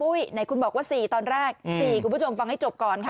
อุ้ยไหนคุณบอกว่าสี่ตอนแรกอืมสี่คุณผู้ชมฟังให้จบก่อนค่ะ